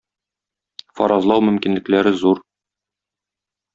Фаразлау мөмкинлекләре зур.